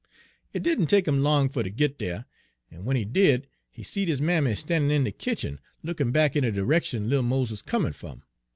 "It didn' take him long fer ter git dere, en w'en he did, he seed his mammy standin' in de kitchen, lookin' back in de d'rection little Mose wuz comin' fum.